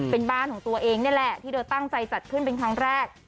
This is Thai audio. เป็นบ้านของตัวเองนี่แหละที่เธอตั้งใจจัดขึ้นเป็นครั้งแรก